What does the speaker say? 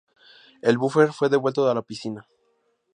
El buffer fue devuelto a la piscina.